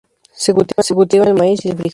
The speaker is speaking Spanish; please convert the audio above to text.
Se cultiva el maíz y el frijol.